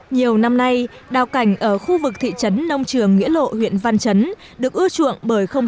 nhiều năm nay đào cảnh ở khu vực thị trấn nông trường nghĩa lộ huyện văn chấn được ưa chuộng bởi không